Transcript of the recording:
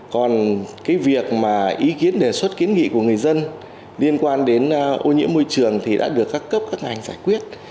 còn cái việc mà ý kiến đề xuất kiến nghị của người dân liên quan đến ô nhiễm môi trường thì đã được các cấp các ngành giải quyết